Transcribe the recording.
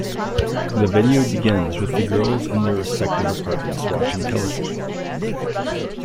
The video begins with the girls in their respective apartments, watching television.